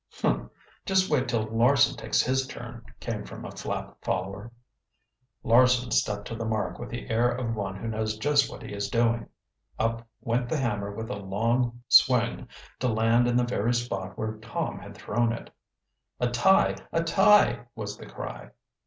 "Humph! Just wait till Larson takes his turn," came from a Flapp follower. Larson stepped to the mark with the air of one who knows just what he is doing. Up went the hammer with a long swing to land in the very spot where Tom had thrown it. "A tie! A tie!" was the cry.